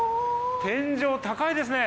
天井高いですね。